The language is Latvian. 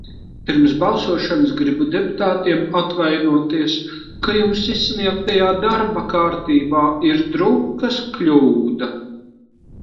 Pirms balsošanas gribu deputātiem atvainoties, ka jums izsniegtajā darba kārtībā ir drukas kļūda.